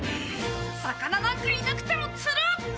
魚なんかいなくても釣る！